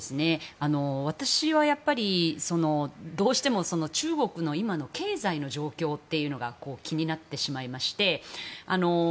私はどうしても中国の今の経済の状況が気になってしまいまして。